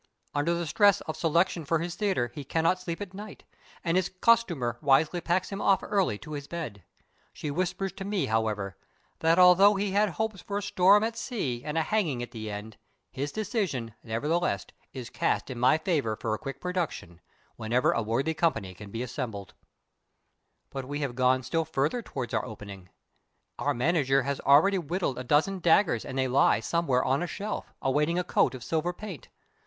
Under the stress of selection for his theatre he cannot sleep at night, and his costumer wisely packs him off early to his bed. She whispers to me, however, that although he had hopes for a storm at sea and a hanging at the end, his decision, nevertheless, is cast in my favor for a quick production, whenever a worthy company can be assembled. [Illustration: On the tip of each he has bargained for a spot of red] But we have gone still further toward our opening. The manager has already whittled a dozen daggers and they lie somewhere on a shelf, awaiting a coat of silver paint.